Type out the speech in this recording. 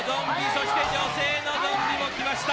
そして女性のゾンビも来ました。